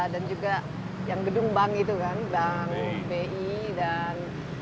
dan juga yang gedung bank itu kan bank bi dan